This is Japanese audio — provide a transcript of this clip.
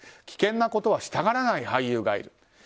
危険なことはしたがらない俳優がいる。